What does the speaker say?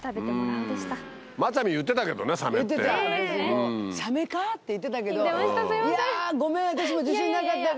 って言ってたけどいやごめん私も自信なかったから。